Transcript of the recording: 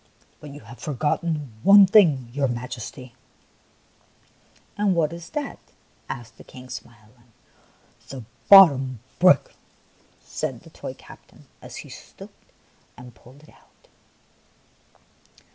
'' But you have forgotten one thing, your Majesty!" " And what is that? " asked the King, smiling. '' The bottom brick," said the toy captain, as he stooped and pulled it out.